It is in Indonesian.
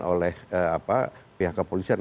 oleh pihak kepolisian